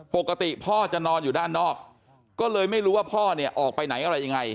ปกติพ่อจะนอนอยู่ด้านนอกก็เลยไม่รู้ว่าพ่อเนี่ยออกไปไหนอะไรยังไง